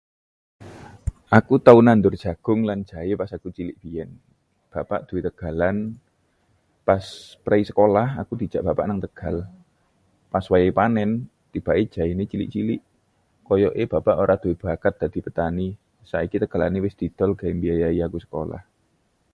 Aku tau nandur jagung lan jahe pas aku cilik biyen. Bapak duwe tegalan, pas prei sekolah aku dijak bapak nang tegal. Pas wayahe panen, tibake jahe ne cilik-cilik, koyoke bapak ora duwe bakat dadi petani, saiki tegalane wis didol gawe mbiayai aku sekolah.